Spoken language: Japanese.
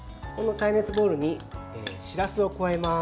耐熱ボウルにしらすを加えます。